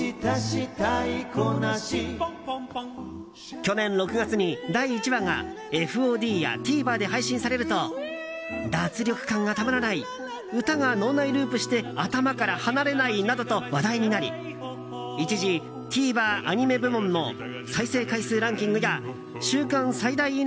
去年６月に第１話がＦＯＤやＴＶｅｒで配信されると脱力感がたまらない歌が脳内ループして頭から離れないなどと話題になり一時、ＴＶｅｒアニメ部門の再生回数ランキングや週間最大いいね